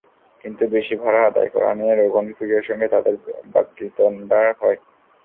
কিন্তু বেশি ভাড়া আদায় করা নিয়ে রোকন ভূঁইয়ার সঙ্গে তাঁদের বাগ্বিতন্ডা হয়।